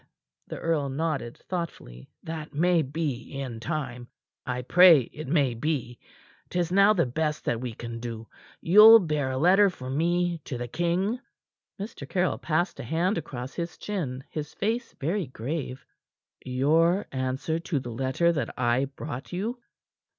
The earl nodded thoughtfully. "That may be in time. I pray it may be. 'Tis now the best that we can do. You'll bear a letter for me to the king?" Mr. Caryll passed a hand across his chin, his face very grave. "Your answer to the letter that I brought you?"